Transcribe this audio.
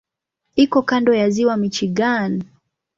Iko kando ya Ziwa Michigan.